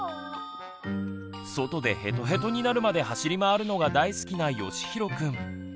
外でヘトヘトになるまで走り回るのが大好きなよしひろくん。